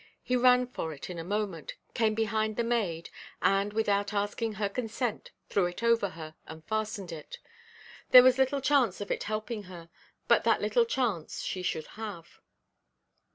He ran for it in a moment, came behind the maid, and, without asking her consent, threw it over her, and fastened it. There was little chance of it helping her, but that little chance she should have.